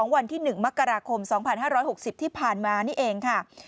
วันที่๑มกราคม๒๕๖๐ที่ผ่านมานี่เองค่ะ